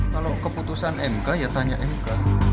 kalau keputusan mk ya tanya mk